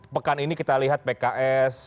pekan ini kita lihat pks